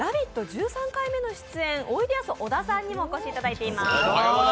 １３回目の出演おいでやす小田さんにもお越しいただいています。